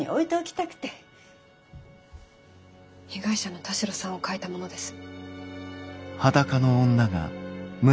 被害者の田代さんを描いたものです。